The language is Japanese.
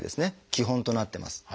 基本となってます。